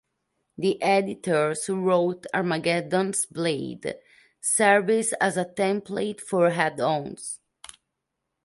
The editors wrote, "Armageddon's Blade" serves as a template for add-ons.